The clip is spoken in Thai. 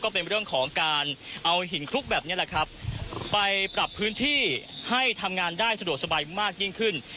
เป็นเรื่องของการเอาหินคลุกแบบนี้แหละครับไปปรับพื้นที่ให้ทำงานได้สะดวกสบายมากยิ่งขึ้น